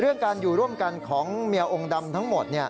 การอยู่ร่วมกันของเมียองค์ดำทั้งหมด